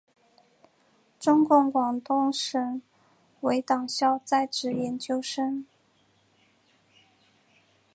中共广东省委党校在职研究生。